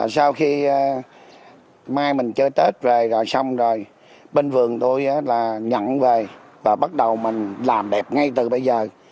sau khi mai mình chơi tết rồi xong rồi bên vườn tôi là nhận về và bắt đầu mình làm đẹp ngay từ bây giờ